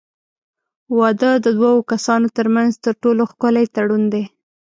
واده د دوو کسانو ترمنځ تر ټولو ښکلی تړون دی.